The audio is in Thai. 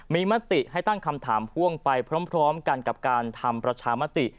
มีมติให้ตั้งคำถามพ่วงไปพร้อมกันกับการทำประชามติ